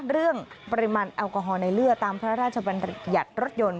เรื่องปริมาณแอลกอฮอลในเลือดตามพระราชบัญญัติรถยนต์